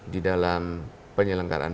di dalam penyelenggaraan